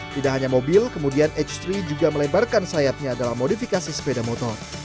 tidak hanya mobil kemudian h tiga juga melebarkan sayapnya dalam modifikasi sepeda motor